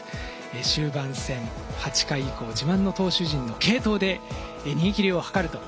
終盤戦８回以降自慢の投手陣の継投で逃げ切りを図るというようなシーン。